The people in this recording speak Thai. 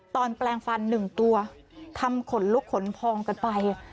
ตอนแปลงฟันหนึ่งตัวทำขนลุกขนพองกันไป